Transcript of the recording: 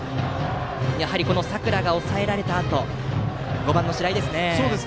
やはり佐倉が抑えられたあとの５番の白井ですね。